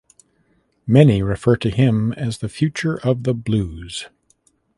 Many refer to him as the future of the blues.